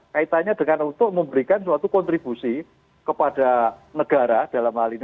kaitannya dengan untuk memberikan suatu kontribusi kepada negara dalam hal ini